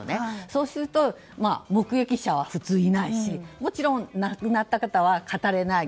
そうすると、目撃者はいないしもちろん亡くなった方は語れない。